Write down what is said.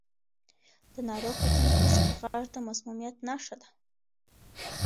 د ناروغ په تنفس کې غږ د مسمومیت نښه ده.